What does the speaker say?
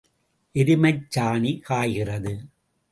எருமைச் சாணி காய்கிறது.